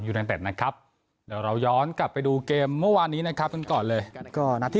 ในเต็ดนะครับเดี๋ยวเราย้อนกลับไปดูเกมเมื่อวานนี้นะครับกันก่อนเลยก็นัดที่